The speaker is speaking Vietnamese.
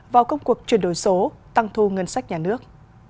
vào công cuộc chuyển đổi số tăng thu ngân sách nhà nước